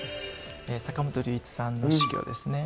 坂本龍一さんの死去ですね。